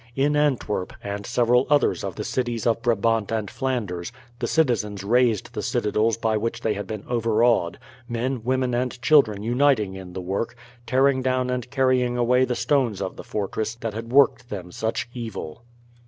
In Antwerp, and several other of the cities of Brabant and Flanders, the citizens razed the citadels by which they had been overawed; men, women, and children uniting in the work, tearing down and carrying away the stones of the fortress, that had worked them such evil.